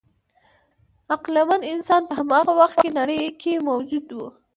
عقلمن انسان په هماغه وخت کې نړۍ کې موجود و.